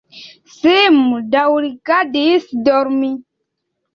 Sim daŭrigadis dormi.